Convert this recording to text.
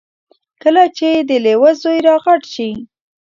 کله چې د لیوه زوی را غټ شي.